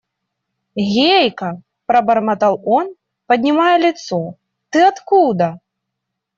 – Гейка, – пробормотал он, поднимая лицо, – ты откуда?